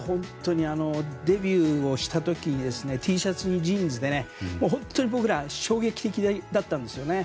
デビューをした時Ｔシャツにジーンズで本当に衝撃的だったんですよ。